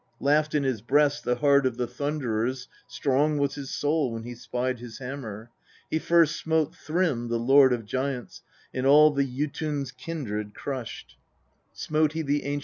Laughed in his breast the heart of the Thunderer; strong was his soul when he spied his hammer. He first smote Thrym, the lord of giants, and all the Jotun's kindred crushed. 27. Eyes so fearful.